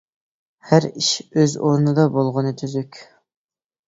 ھەر ئىش ئۆز ئورنىدا بولغىنى تۈزۈك.